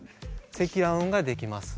積乱雲ができます。